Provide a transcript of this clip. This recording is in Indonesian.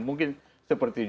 mungkin seperti itu